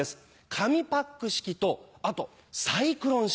紙パック式とあとサイクロン式。